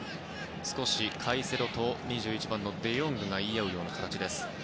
少しカイセドと２１番のデヨングが言い合う形。